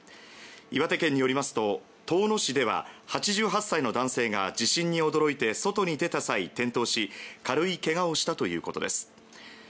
岩手県によりますと遠野市では８８歳の男性が地震に驚いて外に出た際、転倒し軽いけがをしたということです。